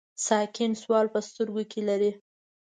ساکن سوال په سترګو کې لري.